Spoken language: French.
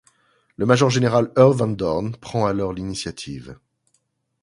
Le major-général Earl Van Dorn prend alors l'initiative.